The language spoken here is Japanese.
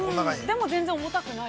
◆でも全然重たくない。